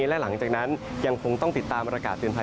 และหลังจากนั้นยังคงต้องติดตามประกาศเตือนภัย